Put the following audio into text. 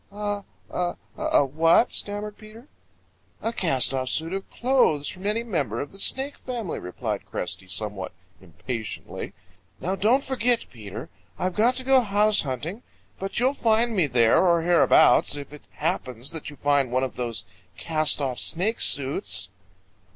"A a a what?" stammered Peter. "A cast off suit of clothes from any member of the Snake family," replied Cresty somewhat impatiently. "Now don't forget, Peter. I've got to go house hunting, but you'll find me there or hereabouts, if it happens that you find one of those cast off Snake suits."